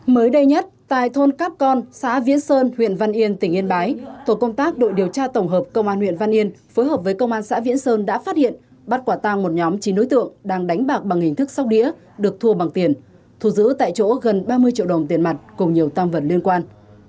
mới đây nhất tại thôn cáp con xã viễn sơn huyện văn yên tỉnh yên bái tổ công tác đội điều tra tổng hợp công an huyện văn yên phối hợp với công an xã viễn sơn đã phát hiện bắt quả tang một nhóm chín đối tượng đang đánh bạc bằng hình thức sóc đĩa được thua bằng tiền thù giữ tại chỗ gần ba mươi triệu đồng tiền mặt cùng nhiều tam vật liên quan